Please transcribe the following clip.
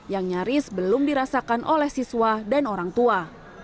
yang nyaris belum dirasakan oleh siswa dan orang tua